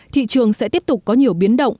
thị trường sẽ tiếp tục có nhiều biến động